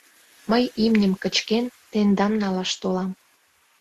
— Мый, имньым кычкен, тендам налаш толам.